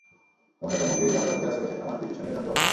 এমন সজাগ ভঙ্গি, যেন তার মুখের আশপাশে আমার ফিসফিসানিও জানতে পারছে সে।